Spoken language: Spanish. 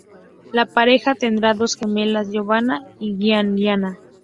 La pareja tendrá dos gemelas Giovanna y Giuliana.